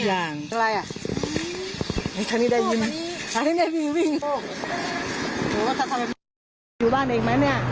อะไรไอ้คันนี้ได้ยินคันนี้ได้ยินวิ่ง